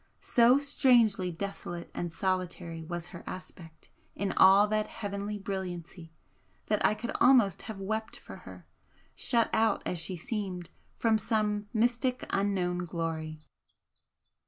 So strangely desolate and solitary was her aspect in all that heavenly brilliancy that I could almost have wept for her, shut out as she seemed from some mystic unknown glory.